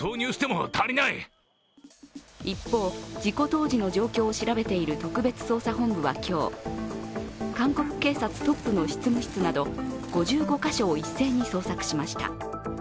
一方、事故当時の状況を調べている特別捜査本部は今日、韓国警察トップの執務室など５５か所を一斉に捜索しました。